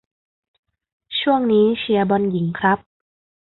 ช่วงนี้เชียร์บอลหญิงครับ